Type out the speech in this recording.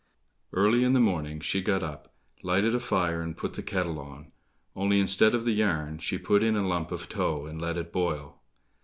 Early in the morning she got up, lighted a fire, and put the kettle on, only instead of the yarn, she put in a lump of tow, and let it boil.